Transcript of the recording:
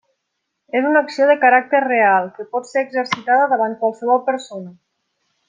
És una acció de caràcter real, que pot ser exercitada davant qualsevol persona.